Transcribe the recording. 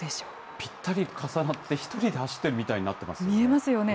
ぴったり重なって、１人で走ってるみたいになってますね。